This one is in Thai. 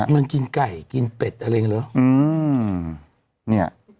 มันกินไก่กินเป็ดอะไรอย่างนี้เหรอ